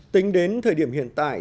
tính đến thời điểm hiện tại